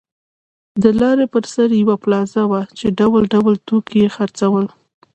د لارې پر سر یوه پلازه وه چې ډول ډول توکي یې خرڅول.